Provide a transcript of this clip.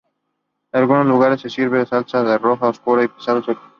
En algunos lugares se sirve con salsa de soja oscura y pescado seco.